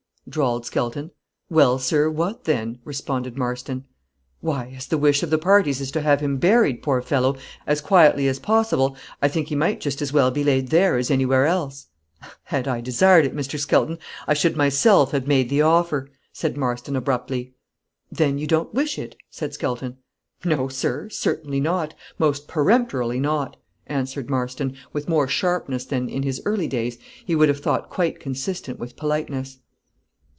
drawled Skelton. "Well, sir, what then?" responded Marston. "Why, as the wish of the parties is to have him buried poor fellow! as quietly as possible, I think he might just as well be laid there as anywhere else!" "Had I desired it, Mr. Skelton, I should myself have made the offer," said Marston, abruptly. "Then you don't wish it?" said Skelton. "No, sir; certainly not most peremptorily not," answered Marston, with more sharpness than, in his early days, he would have thought quite consistent with politeness.